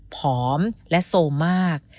ผอมและโซมมาก